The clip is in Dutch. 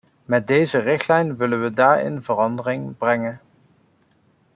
Met deze richtlijn willen we daarin verandering brengen.